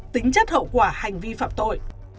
tính chất hậu quả hành vi phạm tội